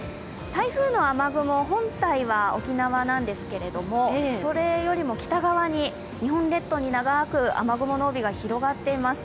台風の雨雲本体は沖縄なんですけれどもそれよりも北側に日本列島に長く雨雲の帯が広がっています。